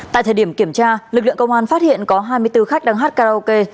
tại thời điểm kiểm tra lực lượng công an phát hiện có hai mươi bốn khách đang hát karaoke